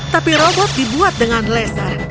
tapi robot dibuat dengan laser